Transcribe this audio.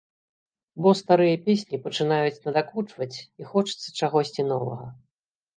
Бо старыя песні пачынаюць надакучваць і хочацца чагосьці новага.